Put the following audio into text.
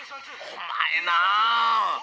おまえな。